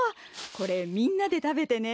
これみんなでたべてね。